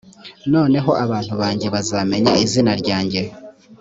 noneho abantu banjye bazamenya izina ryanjye